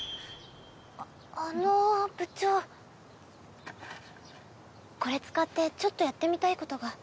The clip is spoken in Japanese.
あの部長これ使ってちょっとやってみたいことが。